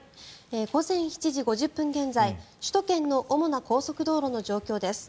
午前７時５０分現在首都圏の主な高速道路の状況です。